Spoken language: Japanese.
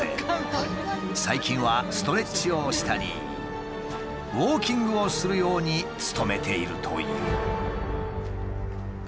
最近はストレッチをしたりウォーキングをするように努めているという。